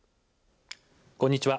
こんにちは。